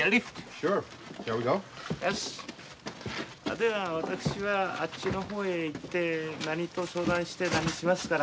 では私はあっちの方へ行ってなにと相談してなにしますから。